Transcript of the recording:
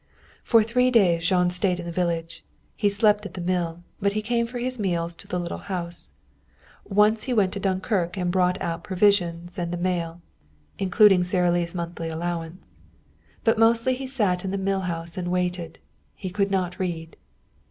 For three days Jean stayed in the village. He slept at the mill, but he came for his meals to the little house. Once he went to Dunkirk and brought out provisions and the mail, including Sara Lee's monthly allowance. But mostly he sat in the mill house and waited. He could not read.